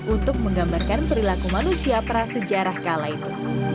untuk menggambarkan perilaku manusia prasejarah kala itu